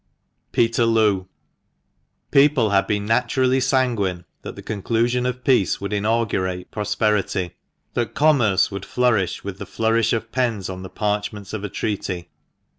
PETERLOO. EOPLE had been naturally san guine that the conclusion of peace would inaugurate pros perity, that commerce would flourish with the flourish of pens on the parchments of a treaty.